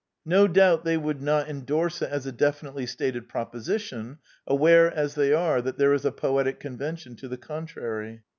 No doubt they would not endorse it as a definitely stated proposition, aware, as they are, that there is a poetic convention to the contrary.